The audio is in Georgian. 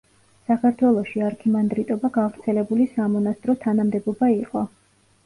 საქართველოში არქიმანდრიტობა გავრცელებული სამონასტრო თანამდებობა იყო.